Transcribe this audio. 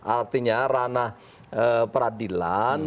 artinya ranah peradilan